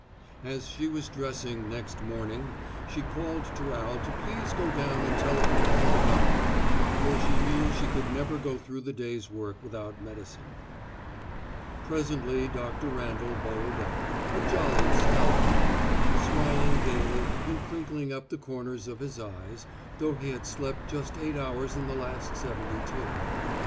As she was dressing next morning she called to Al to please go down and telephone for the doctor, for she knew she could never go through the day's work without medicine. Presently Dr. Randall bowled up, a jolly stout man, smiling gayly and crinkling up the corners of his eyes, though he had slept just eight hours in the last seventy two.